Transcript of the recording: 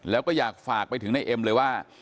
แล้วก็อยากฝากไปถึงในเอ็มเลยว่า